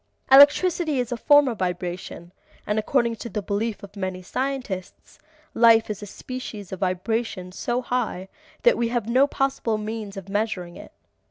Electricity is a form of vibration, and according to the belief of many scientists, life is a species of vibration so high that we have no possible means of measuring it.